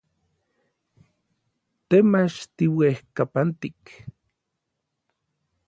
Te mach tiuejkapantik.